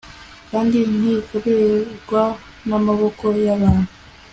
kandi ntikorerwa n'amaboko y'abantu